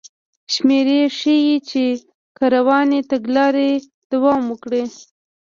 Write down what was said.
شمېرې ښيي چې که روانې تګلارې دوام وکړي